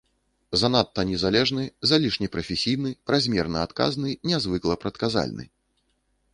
Занадта незалежны, залішне прафесійны, празмерна адказны, нязвыкла прадказальны.